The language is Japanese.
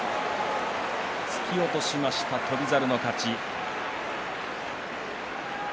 突き落としました、翔猿の勝ち。